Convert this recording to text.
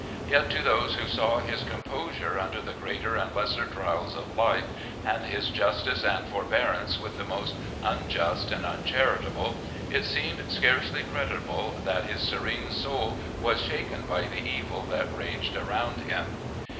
Yet to those who saw his composure imder the greater and lesser trials of life, and his justice and forbearance with the most unjust and uncharitable, it seemed scarcely credible that his serene soul was shaken by the evil that raged around him.